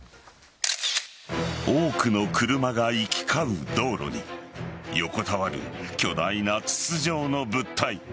多くの車が行き交う道路に横たわる巨大な筒状の物体。